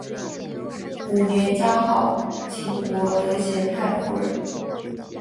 五年加号秦国贤德太夫人。